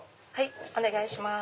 お願いします。